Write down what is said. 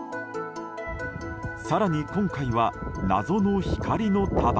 更に今回は、謎の光の束。